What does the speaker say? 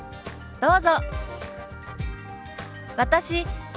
どうぞ。